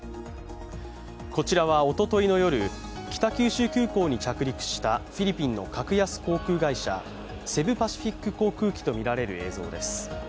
こちらはおとといの夜、北九州空港に着陸したフィリピンの格安航空会社セブ・パシフィック航空機とみられる映像です。